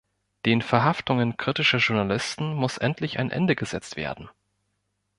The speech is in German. Den Verhaftungen kritischer Journalisten muss endlich ein Ende gesetzt werden!